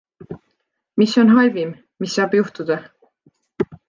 Mis on halvim, mis saab juhtuda?